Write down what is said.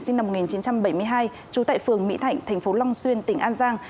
sinh năm một nghìn chín trăm bảy mươi hai trú tại phường mỹ thạnh thành phố long xuyên tỉnh an giang